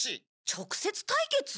直接対決？